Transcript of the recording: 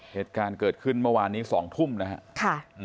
เหตุการณ์เกิดขึ้นเมื่อวานนี้๒ทุ่มนะครับ